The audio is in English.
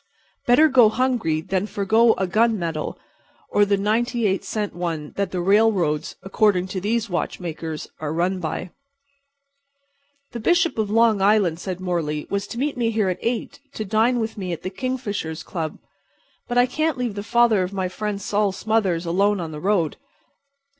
Better go hungry than forego a gunmetal or the ninety eight cent one that the railroads—according to these watchmakers—are run by. "The Bishop of Long Island," said Morley, "was to meet me here at 8 to dine with me at the Kingfishers' Club. But I can't leave the father of my friend Sol Smothers alone on the street.